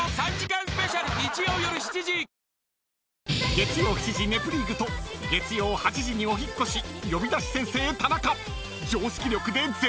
［月曜７時『ネプリーグ』と月曜８時にお引っ越し『呼び出し先生タナカ』］